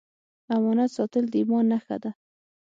امانت ساتل د ایمان نښه ده.